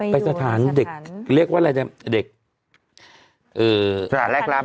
ไปสถานเรียกว่าอะไรนะเด็กส่วนแห่งกลัม